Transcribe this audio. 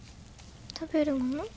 食べるもの？